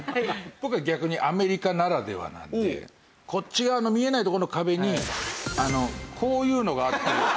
僕は逆にアメリカならではなので。こっち側の見えないとこの壁にこういうのがあって。